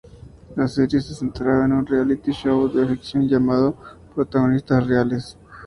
La serie se centraba en un reality show de ficción llamado "Protagonistas Reales".